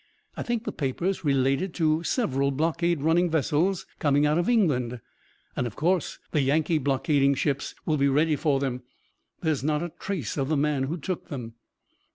I think the papers related to several blockade running vessels coming out from England, and of course the Yankee blockading ships will be ready for them. There's not a trace of the man who took them."